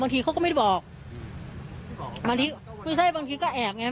ทีเขาก็ไม่ได้บอกบางทีไม่ใช่บางทีก็แอบไง